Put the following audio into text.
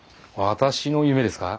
私の夢ですか？